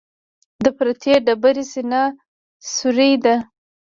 د پرتې ډبرې سینه سورۍ ده.